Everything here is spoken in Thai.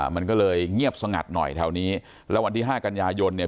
มันก็เลยเงียบสงัดหน่อยแถวนี้แล้ววันที่ห้ากันยายนเนี่ย